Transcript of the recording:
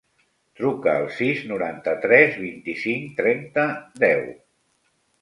Truca al sis, noranta-tres, vint-i-cinc, trenta, deu.